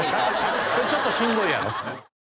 それちょっとしんどいやろ？